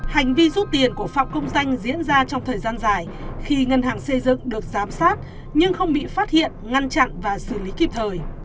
hành vi rút tiền của phạm công danh diễn ra trong thời gian dài khi ngân hàng xây dựng được giám sát nhưng không bị phát hiện ngăn chặn và xử lý kịp thời